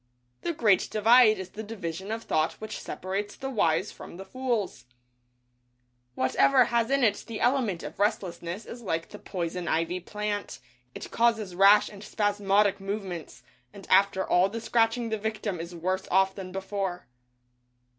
The Great Divide is the division of thought which separates the Wise from the Fools. Whatever has in it the element of restlessness is like the poison ivy plant; it causes rash and spasmodic movements, and after all the scratching the victim is worse off than before.